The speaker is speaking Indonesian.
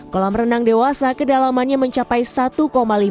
kolam renang dewasa kedalamannya mencapai seratus meter